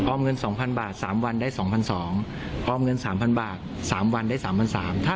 เงิน๒๐๐บาท๓วันได้๒๒๐๐ออมเงิน๓๐๐บาท๓วันได้๓๓๐๐บาท